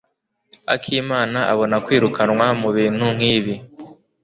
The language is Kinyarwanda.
akimana abona kwirukanwa mubintu nkibi.